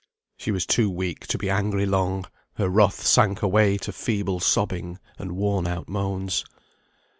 She was too weak to be angry long; her wrath sank away to feeble sobbing and worn out moans.